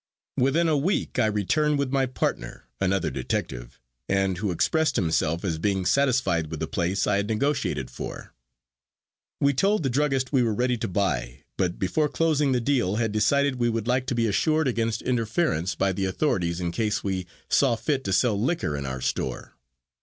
Within a week I returned with my partner (another detective) and who expressed himself as being satisfied with the place I had negotiated for. We told the druggist we were ready to buy, but before closing the deal had decided we would like to be assured against interference by the authorities in case we saw fit to sell liquor in our store.